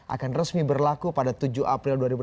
akan resmi berlaku pada tujuh april dua ribu delapan belas